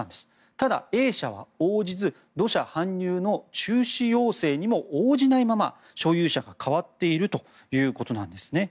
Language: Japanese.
ただ、Ａ社は応じず土砂搬入の中止要請にも応じないまま所有者が変わっているということなんですね。